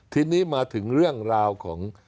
ทีนี้มาถึงเรื่องราวของ